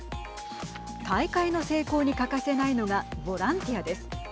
大会の成功に欠かせないのがボランティアです。